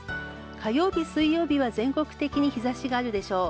火曜日・水曜日は全国的に日差しがあるでしょう。